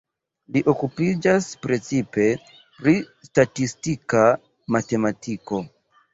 Li okupiĝas precipe pri statistika matematiko.